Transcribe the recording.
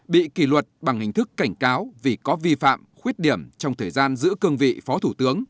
bị kỷ luật bằng hình thức cảnh cáo vì có vi phạm khuyết điểm trong thời gian giữ cương vị phó thủ tướng